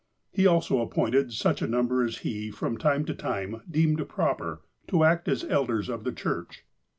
He also apjDointed such number as he, from time to time, deemed loroper, to act as elders of the church.